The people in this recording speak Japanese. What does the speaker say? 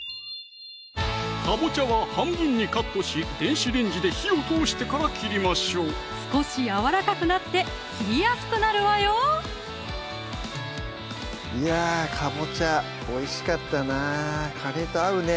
かぼちゃは半分にカットし電子レンジで火を通してから切りましょう少しやわらかくなって切りやすくなるわよいやかぼちゃおいしかったなぁカレーと合うね